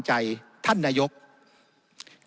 เป็นเพราะว่าคนกลุ่มหนึ่ง